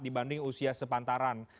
dibanding usia sepantaran